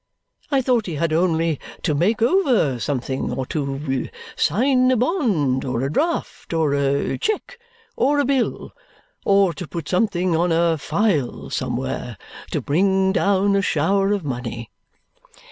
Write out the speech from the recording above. I thought he had only to make over something, or to sign a bond, or a draft, or a cheque, or a bill, or to put something on a file somewhere, to bring down a shower of money."